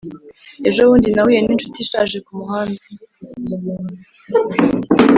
ejobundi nahuye ninshuti ishaje kumuhanda.